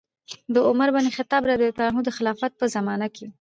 د عمر بن الخطاب رضي الله عنه د خلافت په زمانه کې